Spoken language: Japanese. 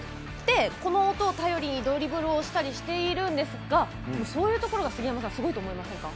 この音を頼りにドリブルをしたりしているんですがそういうところがすごいと思いませんか。